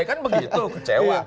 kan begitu kecewa